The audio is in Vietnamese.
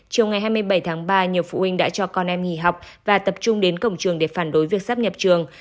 chiều ngày hai mươi bảy tháng ba nhiều phụ huynh đã cho con em nghỉ học và tập trung đến cổng trường để phản đối việc sắp nhập trường